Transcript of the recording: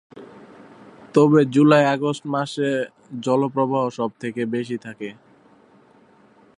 তবে, July- August মাসে জলপ্রবাহ সব থেকে বেশি থাকে।